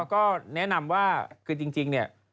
ก็แนะนำว่าคือจริงเนี่ย